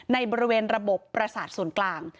ในบริเวณระบบประสาทส่วนกลาง